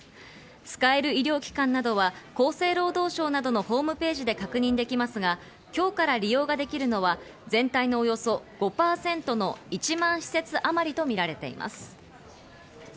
使える医療機関などは厚生労働省などのホームページで確認できますが、今日から利用ができるのは全体のおよそ５％の１万施設あまりとみられます。